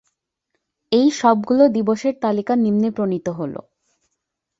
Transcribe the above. এই সবগুলো দিবসের তালিকা নিম্নে প্রণীত হলো।